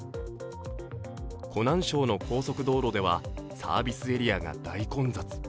湖南省の高速道路ではサービスエリアが大混雑。